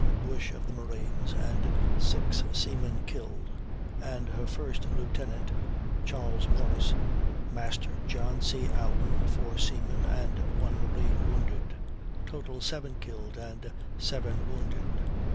Bush, of the marines, and six seamen killed, and her first lieutenant, Charles Morris, Master, John C. Alwyn, four seamen, and one marine, wounded. Total, seven killed and seven wounded.